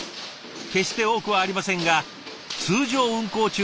決して多くはありませんが通常運行中の作業。